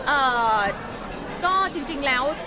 เอ่อก็จริงแล้ว